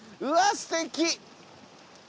うわすてき！